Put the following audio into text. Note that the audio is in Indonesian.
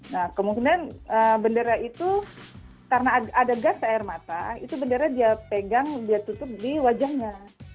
nah kemungkinan bendera itu karena ada gas air mata itu bendera dia pegang dia tutup di wajahnya